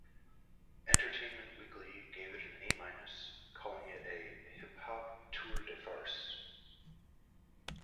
"Entertainment Weekly" gave it an A-, calling it a "hip-hop tour-de-farce".